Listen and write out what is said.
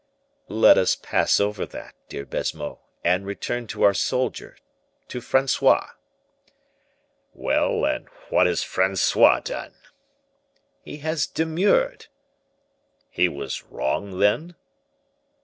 "Let us pass over that, dear Baisemeaux, and return to our soldier, to Francois." "Well, and what has Francois done?" "He has demurred!" "He was wrong, then?"